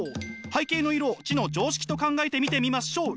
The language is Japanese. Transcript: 背景の色を知の常識と考えてみてみましょう。